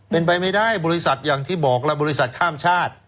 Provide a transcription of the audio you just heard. เป็นไปไม่ได้บริษัทอย่างที่บอกแล้วบริษัทข้ามชาติ